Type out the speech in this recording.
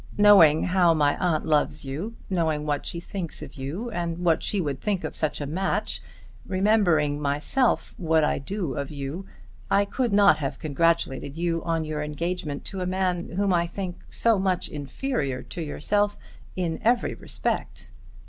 Knowing how my aunt loves you, knowing what she thinks of you and what she would think of such a match, remembering myself what I do of you, I could not have congratulated you on your engagement to a man whom I think so much inferior to yourself in every respect.